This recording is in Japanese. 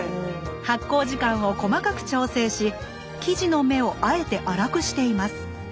発酵時間を細かく調整し生地の目をあえて粗くしています。